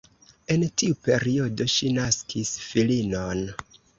En tiu periodo ŝi naskis filinon.